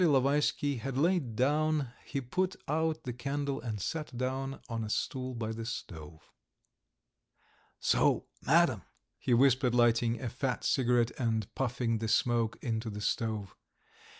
Ilovaisky had lain down, he put out the candle and sat down on a stool by the stove. "So, Madam," he whispered, lighting a fat cigarette and puffing the smoke into the stove.